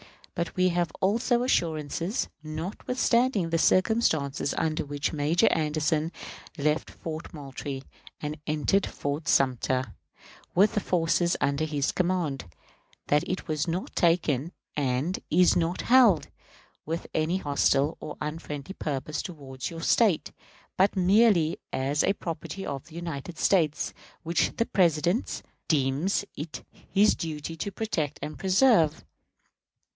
But we have also assurances, notwithstanding the circumstances under which Major Anderson left Fort Moultrie and entered Fort Sumter with the forces under his command, that it was not taken, and is not held, with any hostile or unfriendly purpose toward your State, but merely as property of the United States, which the President deems it his duty to protect and preserve.